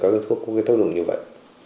các loại thuốc có cái tốc độ như vậy